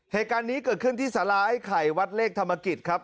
เหตุการณ์นี้เกิดขึ้นที่สาราไอ้ไข่วัดเลขธรรมกิจครับ